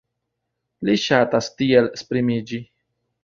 Li ŝatas tiel esprimiĝi.